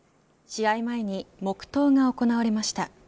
試合前に黙とうが行われました。